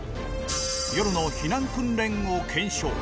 夜の避難訓練を検証！